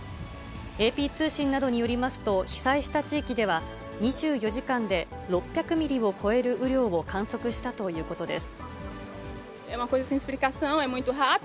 ＡＰ通信などによりますと、被災した地域では、２４時間で６００ミリを超える雨量を観測したということです。